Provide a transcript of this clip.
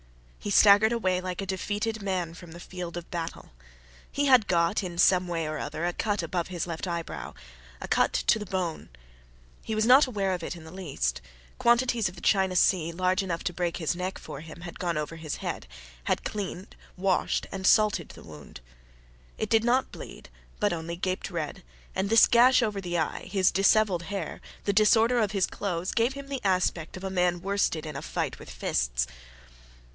He staggered away like a defeated man from the field of battle. He had got, in some way or other, a cut above his left eyebrow a cut to the bone. He was not aware of it in the least: quantities of the China Sea, large enough to break his neck for him, had gone over his head, had cleaned, washed, and salted that wound. It did not bleed, but only gaped red; and this gash over the eye, his dishevelled hair, the disorder of his clothes, gave him the aspect of a man worsted in a fight with fists.